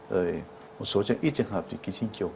rồi một số trong ít trường hợp thì ký sinh trùng